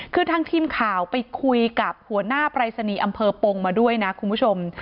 คือทางทีมข่าวไปคุยกับหัวหน้าปรายศนีย์อำเภอปงมาด้วยนะคุณผู้ชม